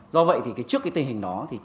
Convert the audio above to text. do vậy thì trước cái tình hình đó